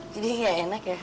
jadi gak enak ya